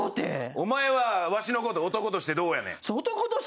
お前はわしのこと男としてどうやねん？